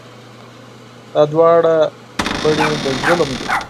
دا دواړه بڼې د ظلم دي.